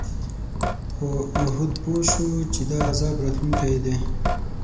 خو هود پوه شو چې دا عذاب راتلونکی دی.